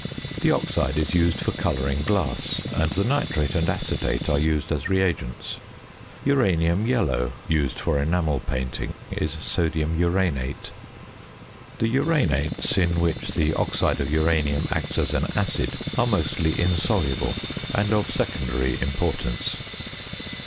The oxide is used for colouring glass; and the nitrate and acetate are used as reagents. "Uranium yellow," used for enamel painting, is sodium uranate. The uranates, in which the oxide of uranium acts as an acid, are mostly insoluble and of secondary importance.